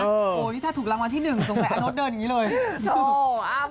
โหนี่ถ้าถูกรางวัลที่หนึ่งส่งไปอันนดเดินอย่างงี้เลยโหอ่า